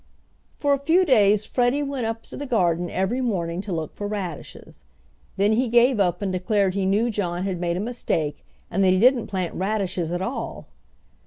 For a few days Freddie went up to the garden every morning to look for radishes. Then he gave up and declared he knew John had made a mistake and that he didn't plant radishes at all.